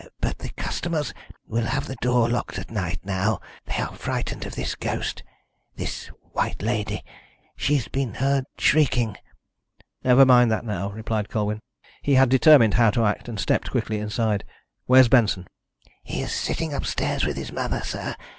"But the customers will have the door locked at night now. They are frightened of this ghost this White Lady she's been heard shrieking " "Never mind that now," replied Colwyn. He had determined how to act, and stepped quickly inside. "Where's Benson?" "He's sitting upstairs with his mother, sir.